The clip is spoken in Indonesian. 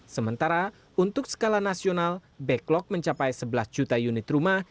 sementara untuk skala nasional backlog mencapai sebelas juta unit rumah